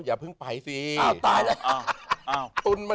ถ้าอ้วนใหม่